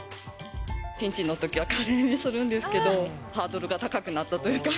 ピンチのときはカレーにするんですけど、ハードルが高くなったというか。